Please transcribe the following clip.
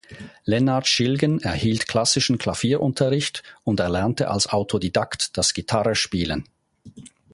Lennart Schilgen erhielt klassischen Klavierunterricht und erlernte als Autodidakt das Gitarrespielen.